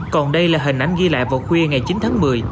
còn đây là hình ảnh ghi lại vào khuya ngày chín tháng một mươi